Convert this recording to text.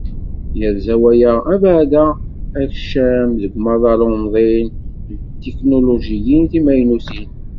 Yerza waya abeɛda akcam deg umaḍal umḍin d tetiknulujiyin timaynutin.